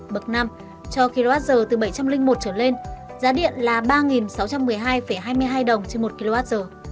bậc năm cho kwh từ bảy trăm linh một trở lên giá điện là ba sáu trăm một mươi hai hai mươi hai đồng trên một kwh